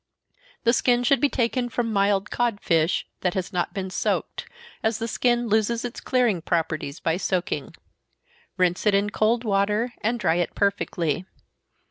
The skin should be taken from mild codfish, that has not been soaked, as the skin loses its clearing properties by soaking. Rinse it in cold water, and dry it perfectly.